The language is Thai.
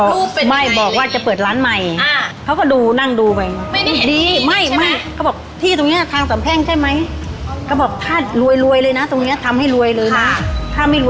เก๊งเลยเลี้ยงให้เขาดีดีแปลว่าเขาว่าเลี้ยงเขาดีดี